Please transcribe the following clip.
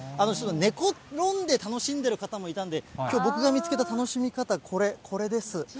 寝転んで楽しんでいる方もいたんで、きょう、僕が見つけた楽しみ方、これ、これです。